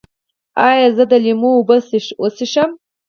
ایا زه د لیمو اوبه وڅښم؟